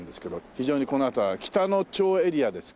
非常にこの辺りは北野町エリアですか？